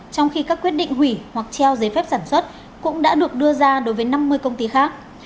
trong khi các quyết định hủy hoặc treo giấy phép sản xuất cũng đã được đưa ra đối với năm mươi công ty khác